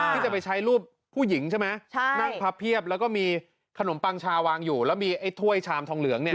ที่จะไปใช้รูปผู้หญิงใช่ไหมใช่นั่งพับเพียบแล้วก็มีขนมปังชาวางอยู่แล้วมีไอ้ถ้วยชามทองเหลืองเนี่ย